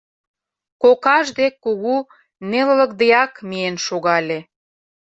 Кокаж дек кугу нелылыкдеак миен шогале.